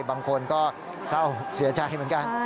บางคนก็เศร้าเสียใจเหมือนกัน